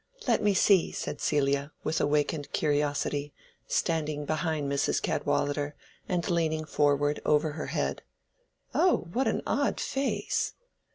"Let me see!" said Celia, with awakened curiosity, standing behind Mrs. Cadwallader and leaning forward over her head. "Oh, what an odd face!"